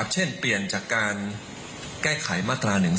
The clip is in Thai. เช่นเปลี่ยนจากการแก้ไขมาตรา๑๑๒